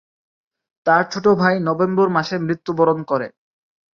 তার ছোট ভাই নভেম্বর মাসে মৃত্যুবরণ করে।